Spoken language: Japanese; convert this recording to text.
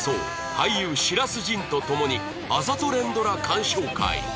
俳優白洲迅とともにあざと連ドラ鑑賞会